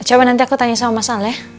coba nanti aku tanya sama mas al ya